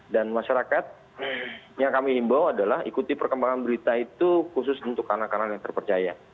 dan masyarakat yang kami imbau adalah ikuti perkembangan berita itu khusus untuk anak anak yang terpercaya